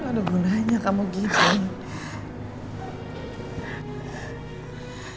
janganlah bisa begitu banyak